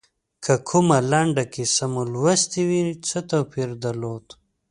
که کومه لنډه کیسه مو لوستي وي څه توپیر درلود.